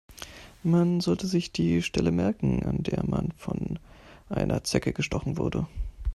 Man sollte sich die Stelle merken, an der man von einer Zecke gestochen wurde.